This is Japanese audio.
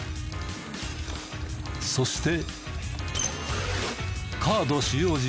そして。